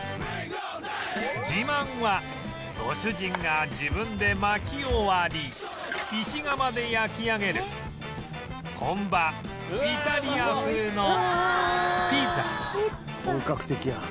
自慢はご主人が自分で薪を割り石窯で焼き上げる本場イタリア風のピザピッツァ。